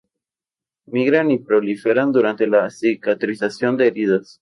Migran y proliferan durante la cicatrización de heridas.